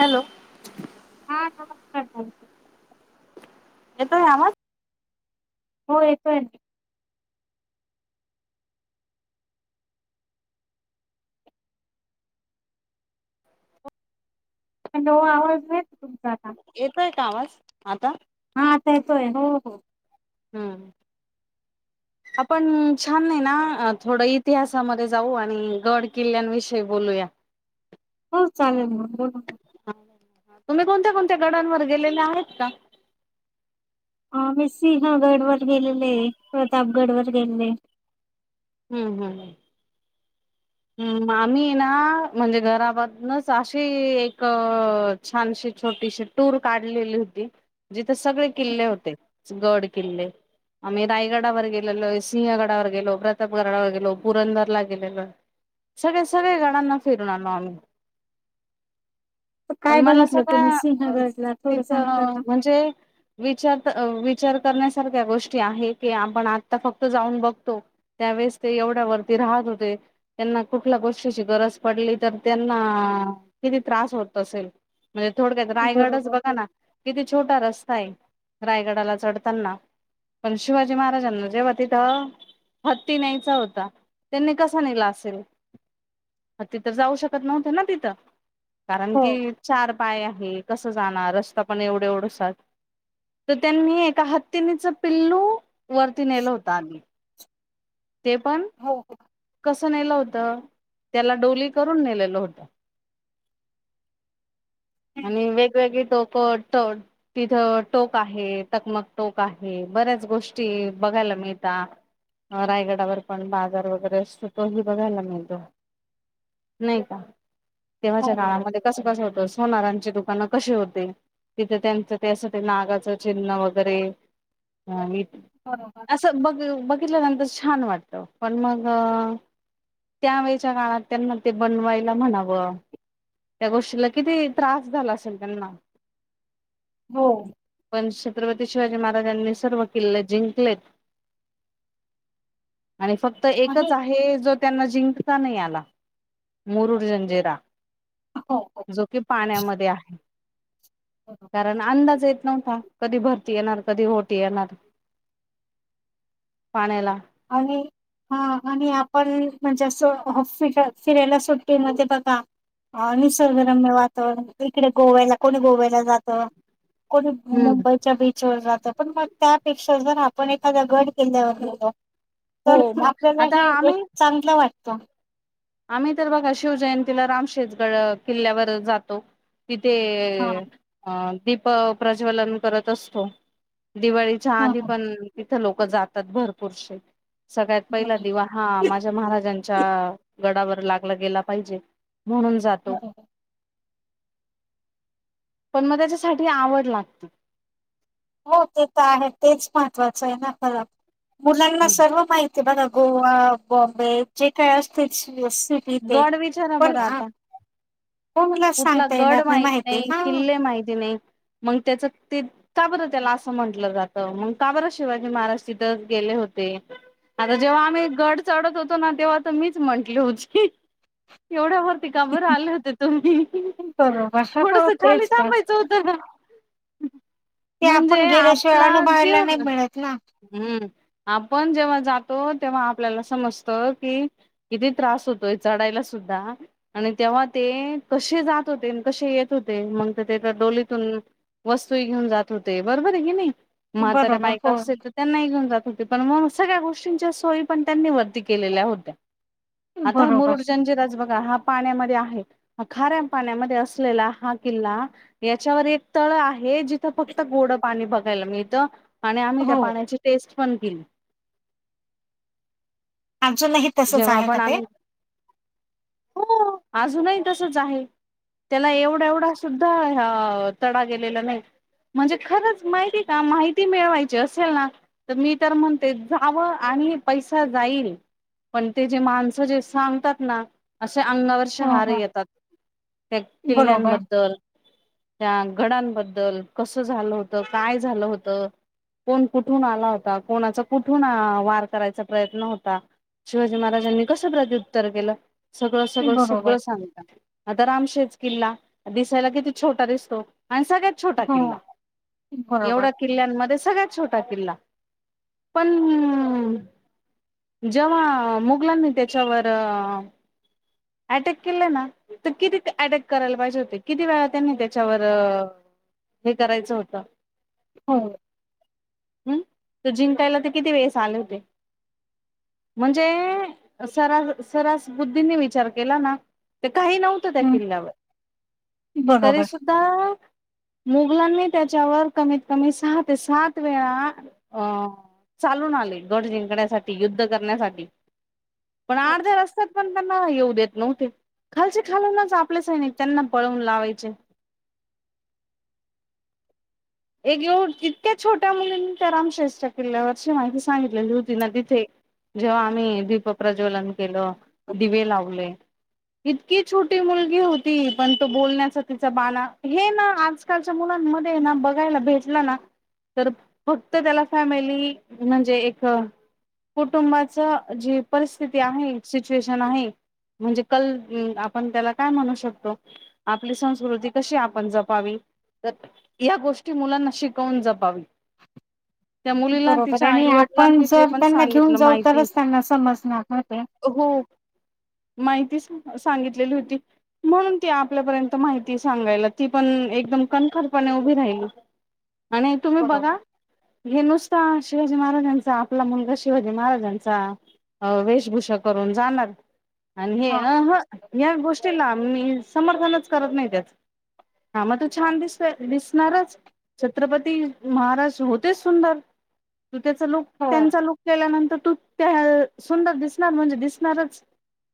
Hello! हा नमस्कार! येतोय आवाज? हो येतोय. नवा आवाज आहे ना तुमचा. येतोय आवाज आता. हाता येतोय हो हो. हम! आपण छान नाही ना थोडं इतिहासामध्ये जाऊ आणि गड किल्ल्यांविषयी बोलूया. हो चालेल मग बोलू. तुम्ही कोणत्या कोणत्या गड्यांवर गेलेले आहेत का? ह मी सिंहगड वर गेलेले प्रतापगड वर गेले. हम्म, हम्म! आम्ही ना म्हणजे घराबूनच अशी एक छानशी छोटीशी टूर काढलेली होती जिथे सगळे किल्ले होते गड किल्ले आम्ही रायगडावर गेलेलो सिंहगडावर गेलो प्रतापगडावर गेलो पुरंदरला गेलेलो. सगळे सगळे गणांना फिरून आलो आम्ही. तर पण काय मला बघितलं तुम्ही सगळा सिंहगडला थोडं तिथ सांगता का म्हणजे. विचार विचार करण्यासारख्या गोष्टी आहे की आपण आता फक्त जाऊन बघतो त्या. ते एवढ्या वरती राहत होते. त्यांना कुठल्या गोष्टीची गरज पडली तर त्यांना किती त्रास होत असेल. म्हणजे थोडक्यात रायगडच बरोबर बघा हो ना किती छोटा रस्ता आहे. रायगडाला चढताना पण शिवाजी महाराजांना जेव्हा तिथं. हत्ती न्यायचा होता त्यांनी कसा नेला अस. तिथ जाऊ शकत नव्हत ना तिथं. कारण की चार पाय आहे कसं जाणार रस्ता पण एवढं एवढंचात. तर त्यांनी एका हत्तीनीच पिल्लू वरती नेलं होतं आगी. ते पण. हो हो कसं नेलं होत त्याला हो डोली करून नेलेलं होत. [inaudible] आणि वेगवेगळी टोक तिथं टोक आहे चकमक टोक आहे. बऱ्याच गोष्टी बघायला मिळत रायगडावर पण बाजार वगैरे. तो बघायला मि तो नाही का. हो तेव्हाच्या ना काळामध्ये कसं कसं होतंत. सोनारांची दुकानं कशी होते तिथे त्यांचं ते असं ते नागाच चिन्ह वगैरे. ह मी बरोबर असं बघ बघितल्यानंतर छान वाटत पण मग. अ त्यावेळेच्या काळात त्यांना ते बनवायला म्हणावं. त्या गोष्टीला किती त्रास झाला असेल त्यांना. हो पण श छत्रपती शिवाजी महाराजांनी सर्व किल्ले जिंकलेत आणि फक्त एकच आणि आहे जो त्यांना जिंकता नाही आला, मुरुड जंजिरा. हो हो जो कि पाण्यामध्ये आहे बरोबर कारण अंदाज येत नव्हता, कधी भरती येणार, कधी ओहोटी येणार पाण्याला आणि हा आणि आपण म्हणजे असं हौस फिटल फिरायला सुट्टी मध्ये बघा अ निसर्गरम्य वातावरण, इकडे गोव्याला कोणी गोव्याला जातं कोणी हम्म मुंबईच्या बीचवर जात पण मग त्यापेक्षा जर आपण एखादा गड किल्ल्यावर गेलो गेलो हो तर मग आपल्याला आता हे एक आम्ही चांगलं वाटत आम्ही तर बघा शिवजयंतीला रामशेजगड किल्ल्यावर जातो तिथे हा दीप प्रज्वलन करत असतो. दिवाळीच्या ह आधी ह पण इथं लोक जातात भरपूरसे सगळ्यात पहिला दिवा हा माझ्या महाराजांच्या गडावर लागला गेला पाहिजे. म्हणून जातो बरोबर पण मग त्याच्यासाठी आवड लागते. हो ते तर आहे तेच महत्वाचं आहे ना खर मुलांना सर्व माहिती ते बघा गोवा, बॉम्बे जे काय असतेच तेच गड विचारा पण बरं आता ह्यात, हो मुलं कुठला गड माहती नाही, किल्ले माहिती नाही, मग त्याच का बरं त्याला असं म्हंटलं जातं मग का बरं शिवाजी महाराज तिथं गेले होते. आणि जेव्हा आम्ही गड चढत होतो ना तेव्हा तर मीच म्हंटली होती, एवढ्यावर का बर आले होते तुम्ही, बरोबर थोडस हो खाली तेच तर थांबायचं होत ना. ते म्हणजे आपण गेल्याशिवाय आपला जीव अनुभवायला नाही मिळत ना हम्म आपण जेव्हा जातो तेव्हा आपल्याला समजत कि किती त्रास होतोय चढायला सु द्धा आणि तेव्हा ते कशे जात होते अन् कशे येत होते मग ते डोलीतून वस्तू घेऊन जात होते बरोबर आहे की नाही म्हाताऱ्या बरोबर बायका हो असेल तर त्यांनाही घेऊन जात होते पण मग सगळ्या गोष्टींच्या सोयी पण त्यांनी वरती केलेल्या होत्या आता बरोबर मुरुड जंजिराच बघा, हा पाण्यामध्ये आहे. अ खाऱ्या पाण्यामध्ये असलेला हा किल्ला याच्यावर एक तळ आहे जिथं फक्त गोड पाणी बघायला मिळतं आणि आम्ही त्या हो पाण्याची टेस्ट पण केली अजूनही तसच जेव्हा आहे का पण ते आ्म्ही हो अजूनही तसच आहे, त्याला एवढा एवढा सुद्ध द्धा हा तडा गेलेला नाही म्हणजे खरंच माहिती का माहिती मिळवायची असेल ना तर मी तर म्हणते जावं पैसा जाईल पण ते जे माणसं सांगतात ना अशे अंगावरचे हा शहारे हा येतात त्या बरोबर किल्ल्यांबद्दल त्या गडांबद्दल कसं झालं होतं काय झालं होत कोण कुठून आला होता, कोणाचा कुठून वार करायचा प्रयत्न होता. शिवाजी महाराजांनी कसं प्रत्युत्तर केलं, सगळं सगळं बरोबर सगळं सांगता. आता रामशेज किल्ला दिसायला किती छोटा दिसतो. आणि सगळ्यात छोटा हो किल्ला. बरोबर एवढ्या किल्ल्यांमध्ये सगळ्यात छोटा किल्ला, पण जेव्हा अ मुघलांनी त्याच्यावर अटॅक केलंय ना तर किती अटॅक करायला पाहिजे होते किती वेळा त्यांनी त्याच्यावर हे करायचं होतं हो हम त जिंकायला ते किती वेळेस आले होते. म्हणजे. सरास सरस बुद्धीने विचार केला ना तर काही नव्हतं त्या हम्म किल्ल्यावर. तरी बरोबर सुद्धा मुघलांनी त्याच्यावर कमीत कमी सहा ते सात वेळा अ चालून आले गड जिंकण्यासाठी युद्ध करण्यासाठी पण अर्ध्या रस्त्यात पण त्यांना येऊ देत नव्हते खालचे खालूनच आपले सैनिक त्यांना पळवून लावायचे. [inaudible] एक येव इतक्या छोट्या मुलांनी त्या रामशेषच्या किल्ल्यावर शहाजींनी सांगितलेली होती ना तिथे जेव्हा आम्ही दीपप्रज्वलन केलं दिवे लावले इतकी छोटी मुलगी होती पण तो बोलण्याचा तिचा बाणा हे ना आजकालच्या मुला मध्ये ना बघायला भेटला ना तर फक्त त्याला फॅमिली म्हणजे एक कुटुंबाच जी परिस्थिती आहे. सिच्युएशन आहे. म्हणजे कल. आपण त्याला काय म्हणू शकतो. आपली संस्कृती कशी आपण जपावी तर या गोष्टी मुलांना शिकवून जपावी. त्या मुलीला बरोबर तिच्या आणि आपण आईवडिलांनी जे जर पण त्यांना घेऊन सांगितलं जाऊ माहिती तरच त्यांना समजणार ना ते हो माहिती सगितली होती म्हणून ती आपल्यापर्यंत माहिती सांगायला ती पण एकम कणखर पने उभी राहीली आणि तुम्ही बघा बरोबर हे नुसता शिवाजी महाराजांचा आपला मुलगा शिवाजी महाराजांचा अ वेशभूषा करून जाणार आणि हे हा अ ह या गोष्टी ना मी समर्थनच करत नाही. त्याच हा मग तू छान दिसतोय दिसणारच छत्रपती महाराज होतेच सुंदर तू त्याचा लूक हो त्यांचा लूक केल्यानंतर तू त्या सुंदर दिसणार म्हणजे दिसणारच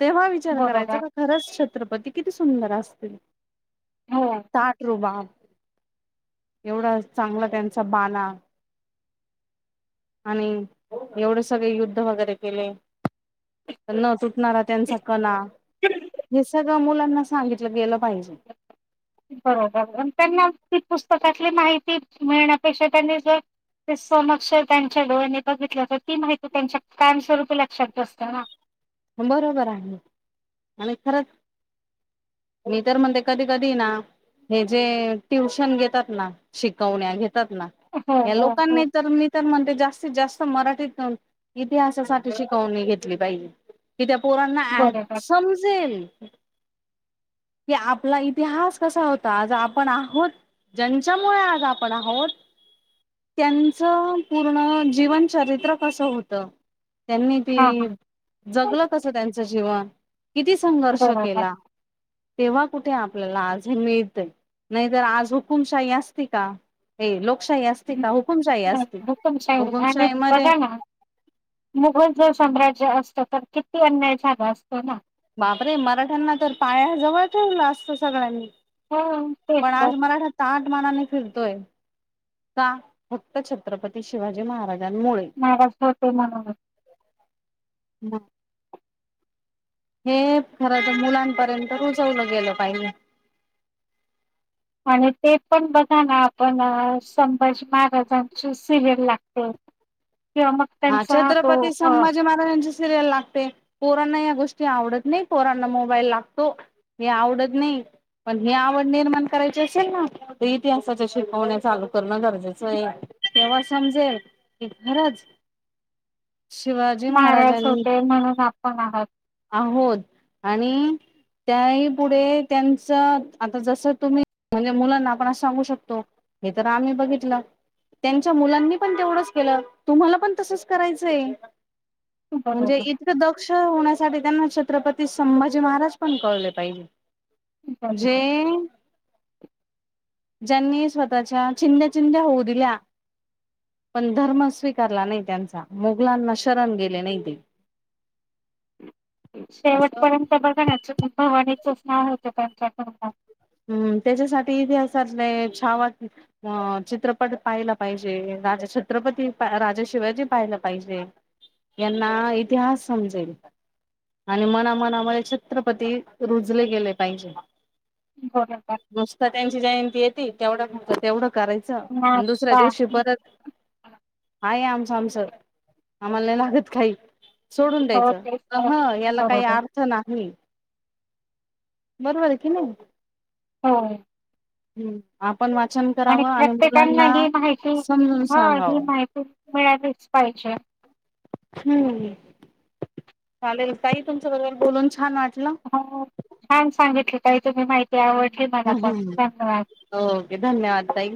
तेव्हा विचार करायचा बरोबर का खरंच छत्रपती किती सुंदर असतील हो ताठ रुबाब एवढा चांगलं त्यांचा बाणा आणि एवढे सगळे युद्ध वगैरे केले तर न तुटणारा त्यांचा कणा हे सगळं मुलांना सांगितलं गेलं पाहिजे बरोबर त्यांना ती पुस्तक त्यातली माहिती मिळण्यापेक्षा त्यांनी जर ते समक्ष त्यांच्या डोळ्याने बघितलं तर ती माहिती त्यांच्या काम स्वरूपी लक्षात बसतंना बरोबर आहे आणि खरं मी तर म्हणते कधी कधी ना हे जे ट्युशन घेतात ना शिकवण्या घेततात हो या हो हो लोकांनी तर म्हणते जास्तीत जास्त मराठीत इतिहासासाठी शिकवणी घेतली पाहिजे कि त्या पोरांना ऍट बरोबर समजेल कि आपला इतिहास कसा होता. आज आपण आहोत ज्यांच्यामुळे आज आपण आहोत. त्यांचं पूर्ण जीवनचरित्र कसं होतं त्यांनी हा ती हा जगलं कसं त्यांचं जीवन किती संघर्ष बरोबर केला. तेव्हा कुठे आपल्याला आज हे मिळतय. नाही तर आज हुकुमशाही असती का हे लोक लोकशाही असती हं, का हुकुमशाही असती हो, तुमच्या आणि हुकुमशाही मध्ये बघा ना मुघल जर साम्राज्य असत. तर किती अन्याय झाला असता ना बापरे! मराठ्यांना तर पाया जव ठेवला असत सगळ्यांनी हो तेच पण तर आज मला अस तान. नाने फिरतोय का फक्त छत्रपती शिवाजी महाराज. माराज होते म्हणून. [inaudible] हे खरं तर मुलांपर्यंत रुजवलं गेलं पाहिलं. आणि ते पण बघा ना आपण संभाजी महाराजांची सिरियल लागते. किंवा मग ह त्यांचा तो छत्रपती अ संभाजी महाराजांची. सिरियल लागते कोरांना या गोष्टी आवडत नाही कोरांना मोबाईल लागतो हे आवडत नाही. पण ही आवड निर्माण करायची असेल ना ते इतिहासाच्या शिकवण्या चालू करणं गरजेचं आहे. तेव्हा समजेल की घरच. शिवाजी नाराज महाराजांनी होते म्हणून आपण आहात आहोत आणि त्याही पुुढे त्यांचं आता जस तुम्ही म्हणजे मुलांना आपण सांगू शकतो हे तर आम्ही बघितलं. त्यांच्या मुलांनी पण तेवढंच केलं तुम्हाला पण तसच करायचं आहे. म्हणजे बरोबर इथ दक्ष होण्या त्यांना छत्रपती संभाजी महाराज पण कळले पाहिजे. जे बरोबर ज्यांनी स्वतःच्या चिंद्या चिंद्या होऊ दिल्या. पण धर्म स्वीकारला नाही त्यांचा मुघलांना शरण गेले नाही ते. [inaudible] असं शेवटपर्यंत बघा ना भवानीचा चार होत त्यांच्याकड हम्म त्याच्यासाठी इतिहासातलाय छावा चित्रपट पाहिला पाहिजे. राजा छत्रपती, राजा शिवाजी पाहायला पाहिजे. यांना इतिहास समजेल. आणि मनामनामध्ये छत्रपती रुजले गेले पाहिजे. बरोबर नुसत त्यांची जयंती येते तेवढं पुरत तेवढं करायच आणि दुसऱ्या नाचता दिवशी परत आहे आम आमच आम्हाला नाही लागत काही. सोडून हो द्यायचं तेच तर ह याला काही बरोबर अर्थ नाही. बरोबर आहे कि नाही. हो. हम्म आप. आणि प्रत्येकना ही माहिती समजून ह ही सांगावं माहिती मिळालीच. पाहिजे हम्म. चालेल ताई तुमच्या बरोबर बोलून छान वाट. हो छान सांगितलं काही तुम्ही माहिती त्याव मला हम्म पण हम्म. धन्यवाद! ओके धन्यवाद ताई.